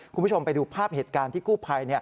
คุณผู้ชมไปดูภาพเหตุการณ์ที่กู้ภัย